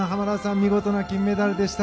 見事な金メダルでした。